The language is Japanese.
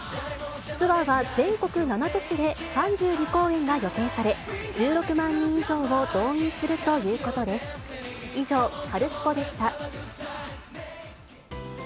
ツアーは全国７都市で３２公演が予定され、１６万人以上を動員するということです。